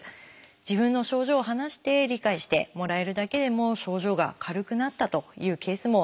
自分の症状を話して理解してもらえるだけでも症状が軽くなったというケースもたくさんあります。